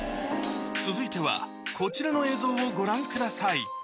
続いてはこちらの映像をご覧ください